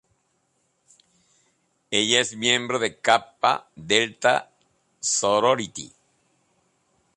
Ella es miembro de Kappa Delta Sorority.